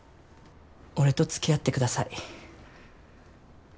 俺とつきあってください。